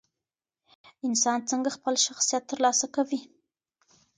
انسان څنګه خپل شخصیت ترلاسه کوي؟